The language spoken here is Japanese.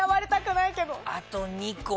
あと２個。